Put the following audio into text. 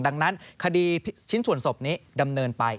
ดังนั้นคดีชิ้นส่วนศพนี้ดำเนินไป